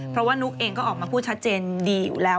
เพราะว่านุ๊กเองก็ออกมาพูดชัดเจนดีอยู่แล้ว